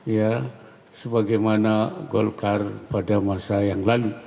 ya sebagaimana golkar pada masa yang lalu